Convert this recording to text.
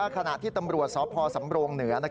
ขณะที่ตำรวจสพสำโรงเหนือ